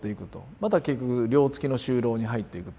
また結局寮つきの就労に入っていくと。